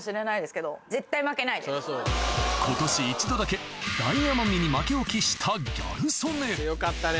今年一度だけ大奄美に負けを喫したギャル曽根強かったね